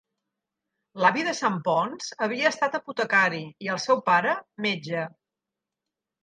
L'avi de Santponç havia estat apotecari i el seu pare, metge.